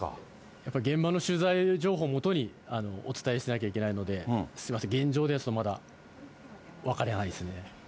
やっぱ現場の取材情報をもとにお伝えしなきゃいけないので、すみません、現状ですとまだ分からないですね。